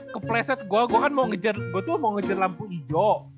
ke playset gue kan gue tuh mau ngejar lampu hijau